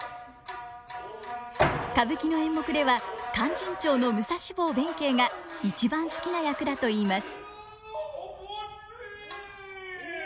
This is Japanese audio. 歌舞伎の演目では「勧進帳」の武蔵坊弁慶が一番好きな役だと言います。